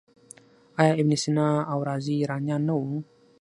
آیا ابن سینا او رازي ایرانیان نه وو؟